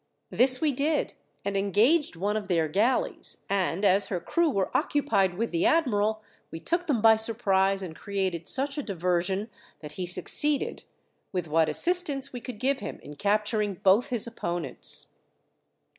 This we did, and engaged one of their galleys; and, as her crew were occupied with the admiral, we took them by surprise, and created such a diversion that he succeeded, with what assistance we could give him, in capturing both his opponents."